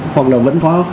hoặc là vẫn có